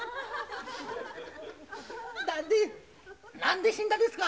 何で死んだですか？